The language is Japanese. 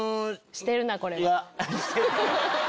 してるなこれは。いや。